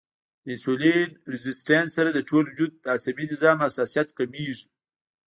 د انسولين ريزسټنس سره د ټول وجود د عصبي نظام حساسیت کميږي